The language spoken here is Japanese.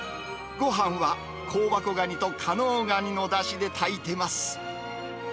ごはんは香箱ガニと加能ガニのだしで炊いてます。